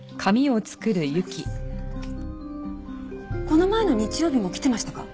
この前の日曜日も来てましたか？